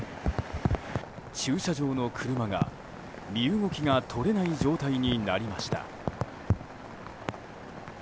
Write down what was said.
駐車場の車が身動きが取れない状態になりました。